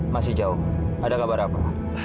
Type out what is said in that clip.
masih jauh ada kabar apa